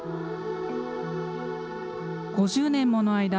５０年もの間、